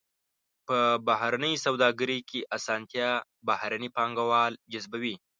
په بهرنۍ سوداګرۍ کې اسانتیا بهرني پانګوال جذبوي.